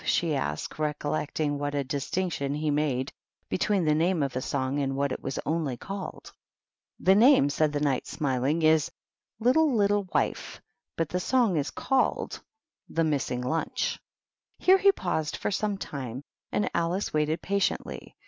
she asked, recollecting what a distinction he made between the name of a song and what it was only called. " The namej^ said the Knight, smiling, " is the ^ Littlcy Little Wife^ but the song is called the * Missing Ininch.^ " Here he paused for some time, and Alice waited patiently.